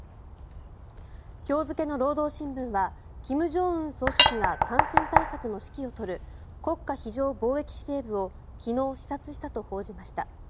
今日付の労働新聞は金正恩総書記が感染対策の指揮を執る国家非常防疫司令部を昨日、視察したと報じました。